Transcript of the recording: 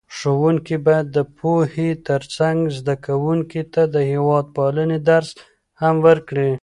ښوونکي باید د پوهې ترڅنګ زده کوونکو ته د هېوادپالنې درس هم ورکړي.